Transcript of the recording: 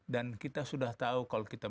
dan kita sudah tahu kalau kita